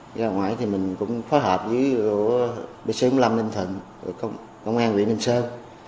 vậy hãy ra ngoài thì mình cũng phối hợp với bixating năm mươi năm ninh thuận thì có không